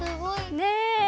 ねえ。